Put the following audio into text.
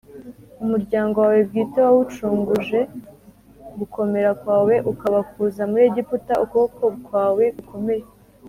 Umuryango wawe bwite wawucunguje gukomera kwawe ukabakuza muri Egiputa ukuboko kwawe gukomeye